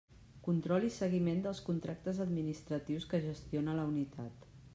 Control i seguiment dels contractes administratius que gestiona la unitat.